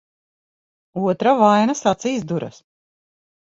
Otra vainas acīs duras.